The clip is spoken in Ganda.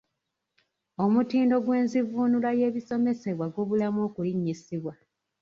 Omutindo gw’enzivuunula y’ebisomesebwa gubulamu okulinnyisibwa.